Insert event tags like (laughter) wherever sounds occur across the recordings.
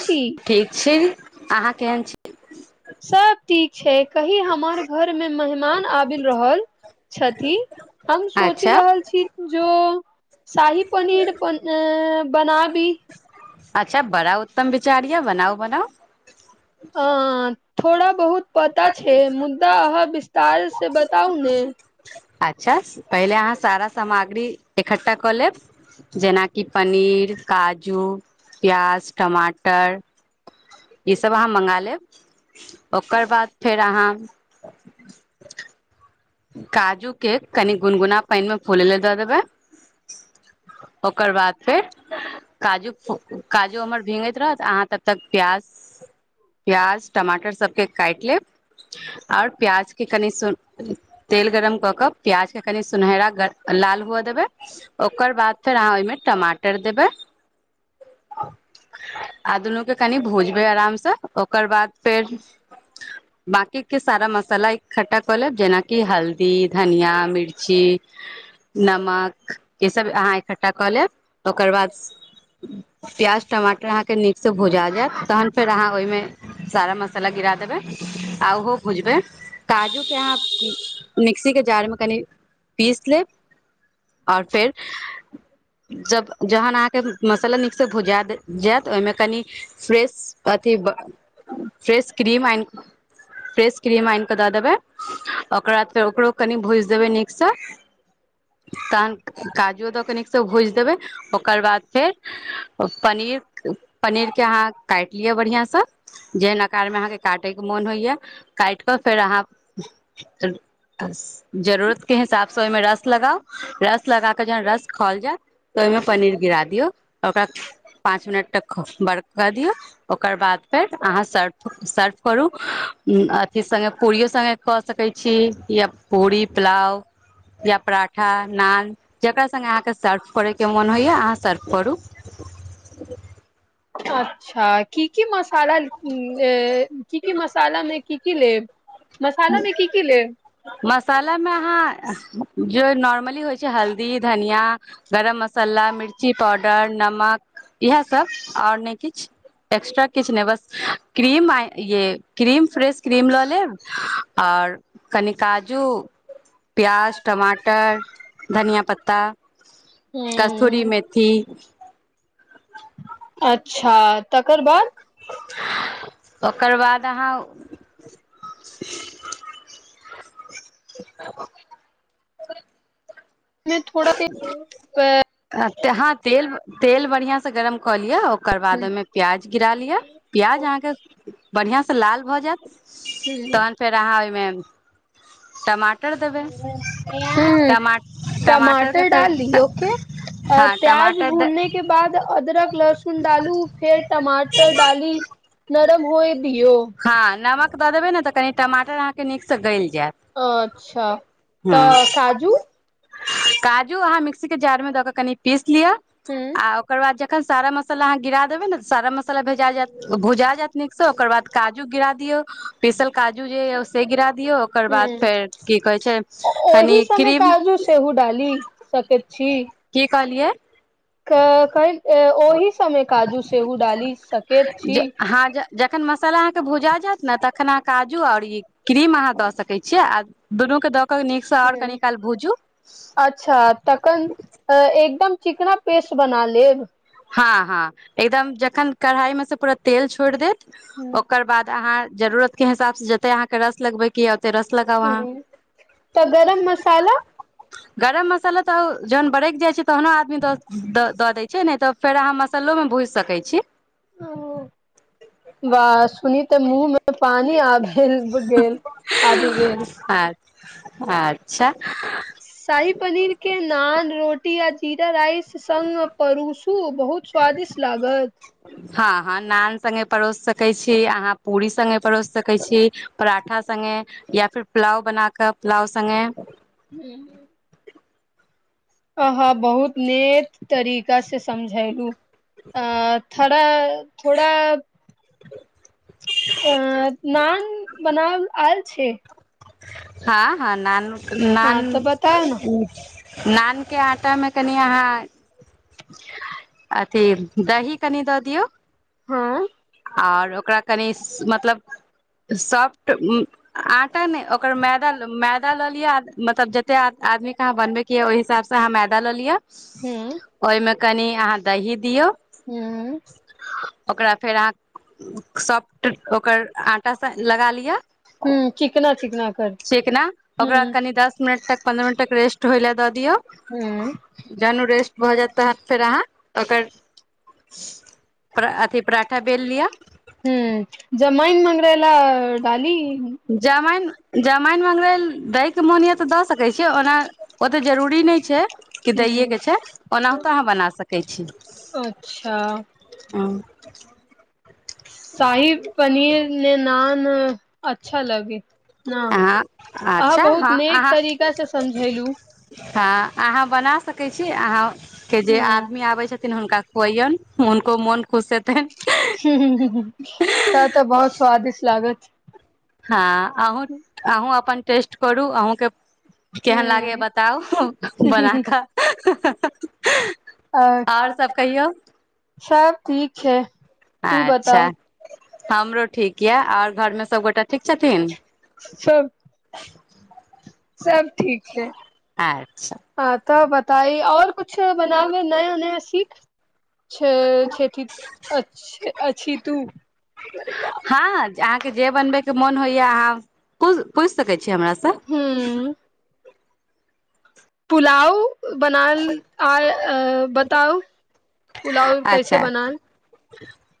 छी ठीक छै अहाँ केहन छी सब ठीक छै कंही हमर घर मे मेहमान आबि रहल छथि हम सोचि अच्छा रहल छी जौं शाही पनीर पन आ बनाबी अच्छा बड़ा उत्तम बिचार य बनाउ बनाउ ह थोड़ा बहुत पता छै मुद्दा अहाँ विस्तार से बताउ ने अच्छा पहिले अहाँ सारा सामग्री इकठ्ठा कऽ लेब जेनाकि पनीर काजू पेयाज टमाटर ई सब आहां मंगा लेब। ओकर बाद फेर आहां काजू के कनि गुनगुना पानि मे फुलै ल दऽ देबै ओकर बाद फेर काजू काजू हमर भींगैत रहत अहाँ तब तक प्याज प्याज टमाटर सभके काटि लेब आओर प्याजके कनि तेल गरम क के प्याज के कनि सुनहरा लाल हुव देबै ओकर बाद फेर अहाँ ओहिमे टमाटर देबै आ दुनू के कनि भूजबै आराम से ओकर बाद फेर बाकी के सारा मसाला इकठ्ठा कऽ लेब जेना कि हाल ई धनिया मिर्ची नमक ई सब अहाँ इकठ्ठा कऽ लेब ओकर बाद प्याज टमाटर अहाँके नीकसँ भुजा जायत तहन फेर अहाँ ओहिमे सारा मसाला गिरा देबै आ ओहो भूजबै काजूके अहाँ मिक्सीके जार मे कनि पीस लेब आओर फेर जब जहन अहाँके मसाला नीकसँ भुजा जायत ओहिमे कनि फ्रेश अथी फ्रेश क्रीम फ्रेश क्रीम आनिऽ दऽ देबै ओकर बाद फेर ओकरो कनि भुजि देबै नीकसँ तहन काजूओ दऽ कऽ नीकसँ भूजि देबै ओकर बाद फेर पनीर पनीरके अहाँ काटि लिअ बढ़िआँसँ जेहन आकार में अहाँके काटयके मोन होइए काटि कऽ फेर अहाँ जरूरत के हिसाब से ओहिमे रस लगाउ रस लगाकऽ जहन रस खौल जायत ओहिमे पनीर गिरा दियौ ओकरा पाँच मिनट तक बर्क दियऔ ओकर बाद फेर अहाँ सर्व सर्व करू अथी सङ्गे पूरियो सङ्गेऽ क या पूरी पुलाव या पराठा नान जकरा सङ्गे आहाँके सर्व करैके मन होइय अहाँ सर्व करू अच्छा की की मसाला ऐ ए की की मसालामे की की लेब मसाला मे की की लेब मसालामे अहाँ जे नॉर्मली होइ छै हल्दी धनिया गरम मसाला मिर्ची पाउडर नमक इएह सब आओर नहि किछु एक्स्ट्रा किछु नहि बस क्रीम ये क्रीम फ्रेश क्रीम लऽ लेब आओर कनि काजू प्याज टमाटर धनिया पत्ता ता कस्तूरी ह मैथी अच्छा तकर बाद ओकर बाद अहाँ (inaudible) मे थोड़ा हँ तेल तेल बढ़िआं से गरम कऽ लिअ ओकर बाद ओहिमे प्याज गिरा लिअ प्याज अहाँके बढ़िआँसँ लाल भऽ जायत तहन फेर अहाँ ओहिमे टमाट मटर देबै ह टमाट टमाटर डालली ओके हँ प्याज टमाटर द भुनने के बाद अदरक लहसुन डालू फेर टमाटर डाली नरम होय दियो बनेबय तऽ कनी माटर अह के नीकसँ ग गेल अच्छा तऽ काजू काजू अहाँ मिक्सी के जार में दऽ क कनि पीस किय हूं आ ओकर बाद अख सारा मसाला अह गिरा देबे ने सारा मसाला भेजा जात भुजा जायत नीकसँ ओकर बाद काजू गिरा दियौ पीसल काजू जे यए से गिरा दियौ ओकर बाद हूं फेर की कहैत छै कनि ओहि समय क्रीम काजू सेहो डाली सकैत छी की कहलियै क कइ ए ओहि समय काजू छओ डाली सकैत छी ज हँ जखन मसाला अहं के भूजा जायत ने तखन अह काजू और ई क्रीम अहाँ द सके छीये आ दुनू के द ह अच्छा तखन एकदम चिकना पेस्ट बना लेब हँ हँ एकदम जखन कढ़ाइ मे से पूरा तेल छोड़ देत हूं ओकर बाद अहाँ जरूरत के हिसाब से जते अहाँ के रस लगबे के य त रस लगाव हूं तऽ गरम मसाला गरम मसाल तऽ जहन बरैइक जाइ छै तहनो आदमी दऽ द द दैई छै नहि तऽ फेर अहाँ मस्सलो मे भूजि सकै छी वाह सुनी ते मुँह मे पानी आब गेल आबि गेल अच्छा शाही पनीर के नान रोटी आज जीरा राईस संग परूसु बहुत स्वादिष्ट लागत सङ्गे परोसि सकैत छी अहाँ पूरी सङ्गे परोसि सकैत छी पराठा सङ्गे या फिर पुलाव बनााकऽ पुलाव सङ्गे हूं अहब बहुत ने तरीक कैसे समझायलू अ थोड़ा थोड़ा अ नान बनाव आयल छै हां हां नान नान। हँ तऽ बताउ ने ऊं नानके आटामे कनि अहाँ अच्छ दही कनि दऽ दियौ हँ आओर ओकरा कनि मतलब सॉफ्ट आटा नहि ओकर मैदा मैदा लऽ लिअ मतलब जतेक आदमीके अहाँ बनबैके यऽ ओहि हिसाबसँ अहाँ मैदा लऽ लिअ हूंअ् ओहिमे कनि अहाँ दही दियौ हूंअ् ओकरा फेर अहाँ सॉफ्ट ओकर आटा स लगा लिअ हूँ चिकना चिकना कर ठीक न हूँ ओकरा कनि दस मिनट तक पन्द्रह मिनट तक रेस्ट धोय ला दऽ दियअ हूंअ् भऽ जायत तह फेर अहाँ ओकर अथी पराठा बेल लिअ हूं जमाइन मंगरैला डाली हूं जामाइन मंगरैल दैके मोनिय तऽ दऽ सकैत छियै ओना ओतऽ जरूरी नहि छै कि हूँ दैएके छै ओनाहितो आहां बना सकै दै छी अच्छा शाहि पनीर ने नान अच्छा लगे न ह अहाँ अच्छा ह बहुत नीक अहाँ तरीका से समझेलु हँ अहाँ बना सकैत छी अहाँ के जे ह आदमी आबै छै हुनका कोहयुन हुनको मन ह त तऽ बहुत स्वादिष्ट लागत हँ अहूँ अहूँ अपन टेस्ट करू अहूँकेये केहन लागैए ह बताउ बना कऽ अ आओर सब कहियौ सब ठीक छै तू अच्छा बताउ हमरो ठीक यऽ आओर घरमे सबगोटा छथिन (inaudible) सब सब ठीक छै अच्छा ह तऽ बताइ आऔर कुछु बनाबै नया नया सीख छ अछी ठीक अछि तू हँ अहाँके जे बनबे के मन होइया अहाँ पूछि सकै छि हमरासँ ह पुलाव बनाल आ अ बताउ पुलाव कैसे बनाए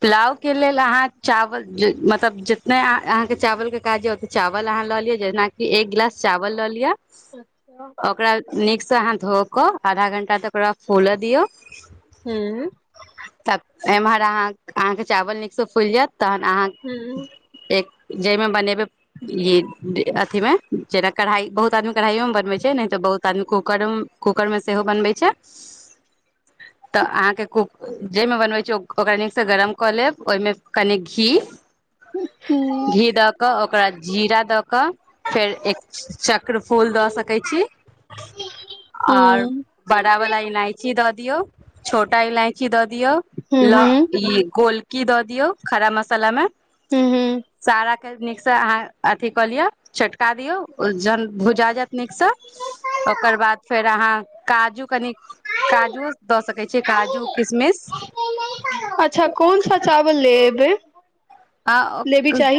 पुलाव के लेल अहाँ चावल मतलब जितने अहाँके चावल के काज य ओते चावल अहाँ लऽ लिअ जेनाकि एक गिलास चावल लऽ लिअ अच्छा ओकरा नीकसँ अहाँ धो कऽ आधा घंटा तक ओकरा फुल दियौ हूँ त एमहर अह अहाँके चावल नीकसँ फुलि जायत तहन अहाँ हूँ एक जाहिमे बनेबै ई अथी मे जेना कढ़ाइ बहुत आदमी कढ़ाइयो मे बनबै छै नहि तऽ बहुत आदमी कूकर कूकर मे सेहो बनबै छै तऽ अहाँके क जाहिमे बनबै छीयै ओकरा नीकसँ गरम कऽ लेब ओहिमे कनी घी हूँ घी द क ओकरा जीरा द क फेर एक चक्र फूल दऽ सकैत छी आऔर बड़ा वला इलायची दऽ दियौ छोटा इलायची द दिय ल हूँ ई बोलकी द दिऔ खरा मसालामे हूॅं हूँ नीक स अहाँ अथी क लिय चटका दियौ जहन भुजा जेत नीक स ओकरा बाद फेर अहाँ काजू कनीक काजूओ द सकइ छियै काजू किशमिश अच्छा कोन सा चावल लेअ्बै आ ओ क् स्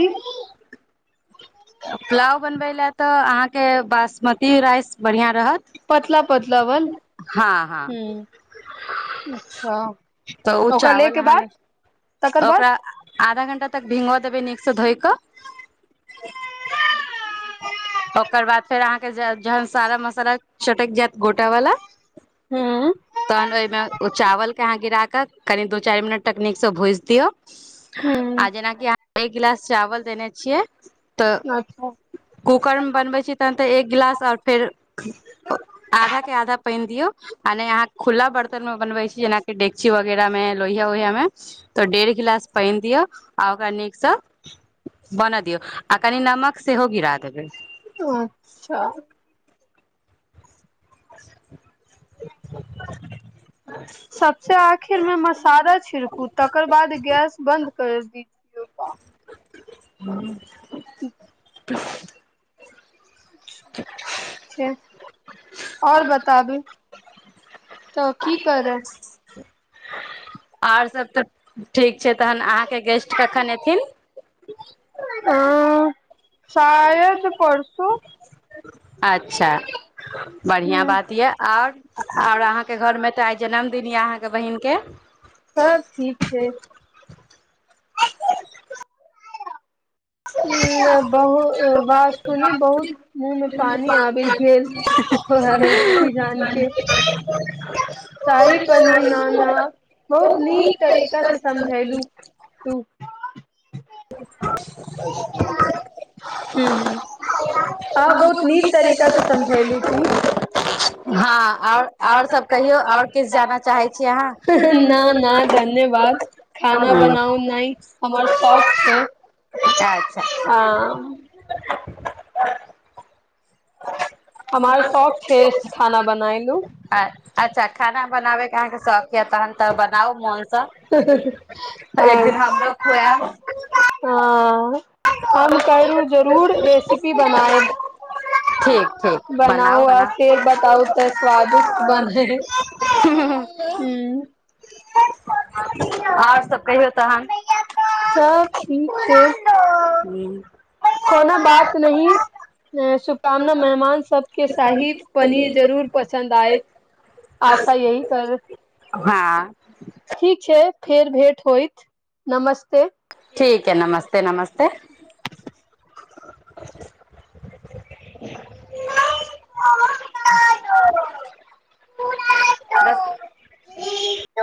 पुलाव बनबै लए तऽ अहाँके बासमती राइस बढ़िया रहत पतला पतला बन हँ हँ हूं अच्छा तऽ ओ ओकरा ले चावल के अहाँ बाद तकर बाद देब नीक स धोइ क ओकर बाद फेर अहाँके जहन सारा मसाला चटृकि जायत गोटा वाला हूँ तहन ओहिमे ओ चावल के अहाँ गिरा त कनि दू चार मिनट नीक स भूजि दियौ आ हूँ जेना की आहां एक गिलास चावल देने छियै तऽ अच्छा कूकरमे बनबै छी तहन तऽ एक गिलास आओर फेर आधा के आधा पानि दियौ माने अहाँ खुला बरतन मे बनबै छी जेनाकि डेकची वगैरह में लोहिया वोहिया में तो डेढ़ गिलास पाइन दियौ आई ओकरा नीक स (inaudible) बनअ दिऔ कनि नमक सेहो गिरा देबै अच्छा (inaudible) (inaudible) सबस आखिरमें मसाला छिड़कू तकर बाद गैस बन्द कर दीजियऔा हूं उह प (unintelligible) छै आओर बताबु तऽ की करब आओर सभ तऽ ठीक छै तहन अहाँके गेस्ट कखन एथिन आ शायद परसू अच्छा बढ़िआँ हूँ बात इय आर आर अहाँके घरमे तऽ आइ जन्मदिन य अहाँ बहिनके सब ठीक छै बहु बात सुनी बहुत मुँह में पानी आबि गेल तोरा रेसिपी जान के आ शाही पनीर नाना बहुत नीक तरीका से समझेलू तू। ह ह आ बहुत नीक तरीका से समझायल तू हं हँ आओर आओर सब कहियौ आओर किछु जाना चाहै छी अहाँ हं न न धन्यवाद खाना बनाउ नहि पौकसे अच्छा अच्छा (inaudible) हमार शौक छै खाना बनायलु अच्छा खाना बनाबैके अहाँके शौक यऽ तहन तऽ बनाउ मोनसँ एक दिन हमरो खुआएब हां हम करु जरूर रेसिपी बनायब ठीक ठीक बनाउ आ गना फेर बताउ तऽ स्वादिष्ट बने ह आओर सब कहियौ तहन सब ठीक छै हो कोनो बात नही शुभका मना मेहमान सभके साहि पनीर जरूर पसन्द आयैत आशा यही करब हँ ठीक छै फेर भेट होइत नमस ठीक है नमस ते नमस्ते ब (unintelligible)